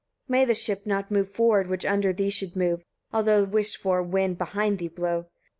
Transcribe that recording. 30. May the ship not move forward, which under thee should move, although the wished for wind behind thee blow.